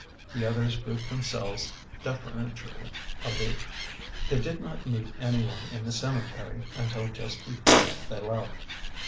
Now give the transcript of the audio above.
The others grouped themselves deferentially aloof. They did not meet any one in the cemetery until just be fore they left.